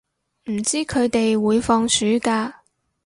唔知佢哋會放暑假